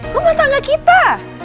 rumah tangga kita